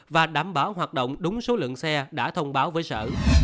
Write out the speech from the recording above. và đảm bảo hoạt động đúng số lượng xe đã thông báo với sở